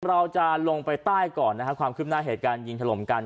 เราจะลงไปใต้ก่อนนะครับความคืบหน้าเหตุการณ์ยิงถล่มกัน